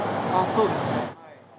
そうですね。